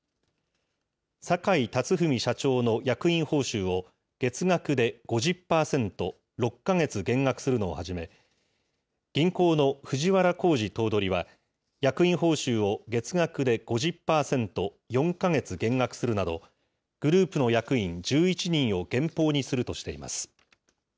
坂井辰史社長の役員報酬を月額で５０％６か月減額するのをはじめ、銀行の藤原弘治頭取は役員報酬を月額で５０％４か月減額するなど、グループの役員１１人を減俸にするとしています。